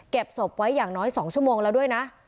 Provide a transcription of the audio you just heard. ศพไว้อย่างน้อย๒ชั่วโมงแล้วด้วยนะ